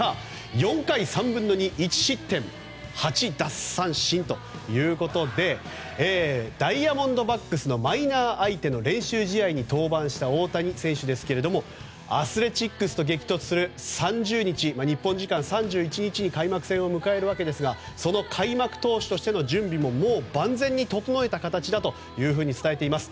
４回３分の２、１失点８奪三振ということでダイヤモンドバックスのマイナー相手に先発した大谷選手ですがアスレチックスと激突する３０日、日本時間３１日に開幕戦を迎えるわけですがその開幕投手としての準備ももう万全に整えた形だと伝えています。